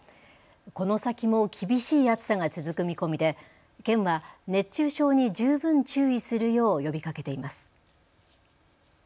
この先も厳しい暑さが続く見込みで県は熱中症に十分注意するよう呼びかけています。